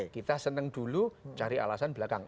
kita seneng dulu cari alasan belakang